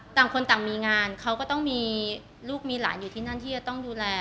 ต่างคนต่างมีงานเขาก็ต้องมีลูกมีหลานอยู่ที่นั่นที่จะต้องดูแล